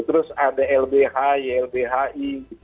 terus ada lbh ylbhi